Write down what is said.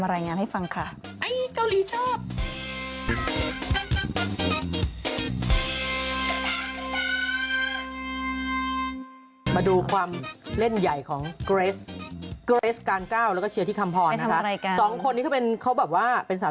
ไม่มีฉันสอบพลักษณ์ที่อื่นไปแล้วอย่า